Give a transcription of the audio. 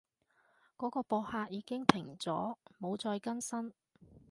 嗰個博客已經停咗，冇再更新